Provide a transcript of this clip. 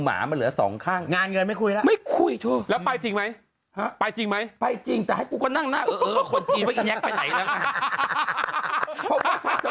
หรือเป็นคนจริงก็จะได้ไม่เลิกครบฉันแล้วไงเธอ